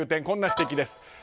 こんな指摘です。